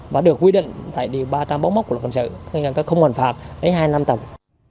và được quy định tại điều ba trăm bốn mươi một của luật hành sự không hoàn phạt lấy hai năm tầng